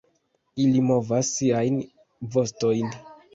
Ili movas siajn vostojn.